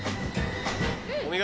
お見事！